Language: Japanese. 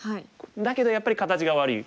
だけどやっぱり形が悪い。